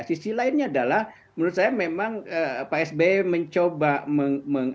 sisi lainnya adalah menurut saya memang pak sby mencoba